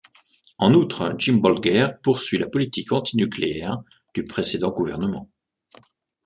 En outre, Jim Bolger poursuit la politique anti-nucléaire du précédent gouvernement.